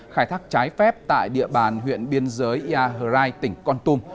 khai thác trái phép tại địa bàn huyện biên giới ia hờ rai tỉnh con tum